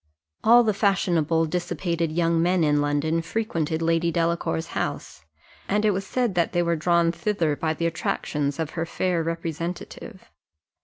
All the fashionable dissipated young men in London frequented Lady Delacour's house, and it was said that they were drawn thither by the attractions of her fair representative.